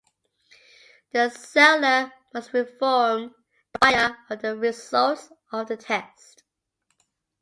The Seller must inform the Buyer of the results of the tests.